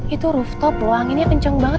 itu rooftop wanginya kencang banget